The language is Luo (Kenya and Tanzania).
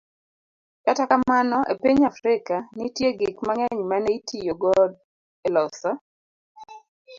Kata kamano, e piny Afrika, nitie gik mang'eny ma ne itiyogo e loso